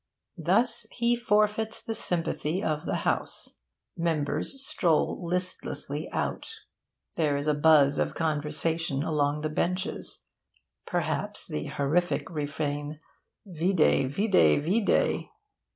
Thus he forfeits the sympathy of the House. Members stroll listlessly out. There is a buzz of conversation along the benches perhaps the horrific refrain ''Vide, 'Vide, 'Vide.'